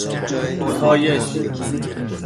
طایش